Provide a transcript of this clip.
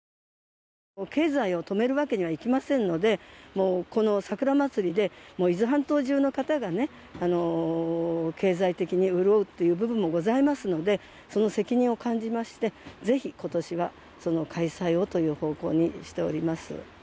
経済を止めるわけにはいきませんので、桜まつりで伊豆半島中の方が経済的に潤うっていう部分もございますのでその責任を感じまして、ぜひ今年は開催をという方向にしております。